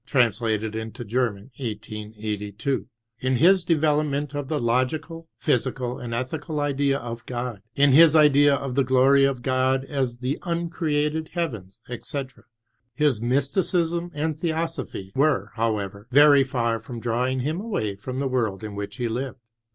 translated hito German. 1882 ; in his development of the lo^cal, physical, and ethical idea of God ; in his idea of the glory of God as the uncreated heavens, etc. His mysticism and theosophy were, however, very far from drawing him away from the world in which he lived.